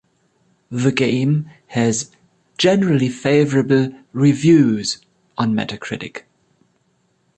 The game has "Generally favorable reviews" on Metacritic.